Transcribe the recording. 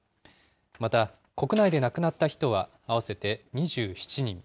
また、国内で亡くなった人は合わせて２７人。